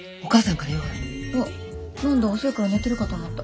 何だ遅いから寝てるかと思った。